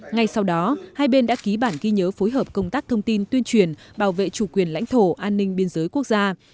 ngay sau đó hai bên đã ký bản ghi nhớ phối hợp công tác thông tin tuyên truyền bảo vệ chủ quyền lãnh thổ an ninh biên giới quốc gia